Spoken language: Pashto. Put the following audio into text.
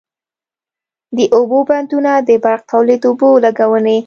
د اوبو بندونه د برق تولید، اوبو لګونی،